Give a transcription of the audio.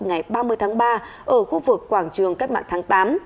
ngày ba mươi tháng ba ở khu vực quảng trường cách mạng tháng tám